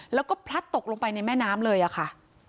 แล้วก็พลัดตกลงไปในแม่น้ำเลยอะค่ะ